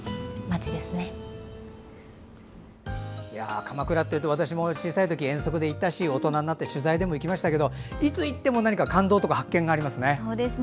鎌倉っていうと私も小さい時遠足で行ったし、大人になって取材でも行きましたけどいつ行っても感動とか発見がありますね。